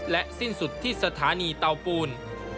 และสิ้นสุดที่สถานีเตาปูน